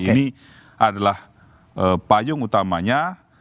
ini adalah payung utamanya